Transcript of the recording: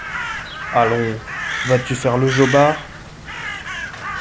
Allons, vas-tu faire le jobard ?…